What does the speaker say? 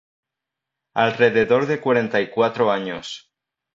Alrededor de cuarenta y cuatro años.